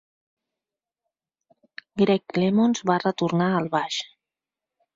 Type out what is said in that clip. Gregg Clemons va retornar al baix.